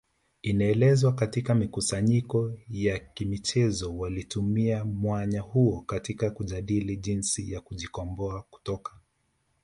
Inaelezwa katika mikusanyiko ya kimichezo walitumia mwanya huo katika kujadili jinsi ya kujikomboa kutoka